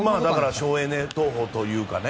省エネ投法というかね